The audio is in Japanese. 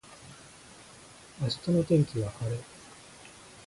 明日の天気は晴れ